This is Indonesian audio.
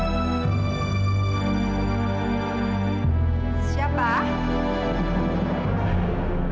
kamu sudah sesuai dengan mirainkan